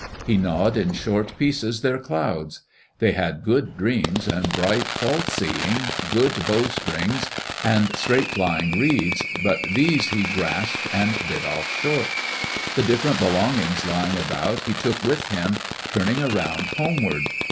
He gnawed in short pieces their clouds. They had good dreams and bright false seeing, good bow strings and straight flying reeds, but these he grasped and bit off short. The different belongings lying about he took with him, turning around homeward.